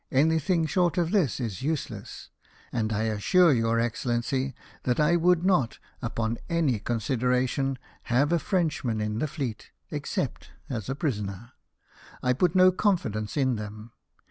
Anything short of this is useless; and I assure your Excellency that I would not, upon any consideration, have a Frenchman in the fleet, except as a prisoner. I put no confidence in them.